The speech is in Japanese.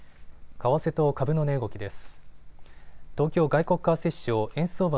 為替と株の値動きです。